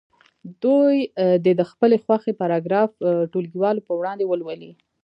دوی دې د خپلې خوښې پاراګراف ټولګیوالو په وړاندې ولولي.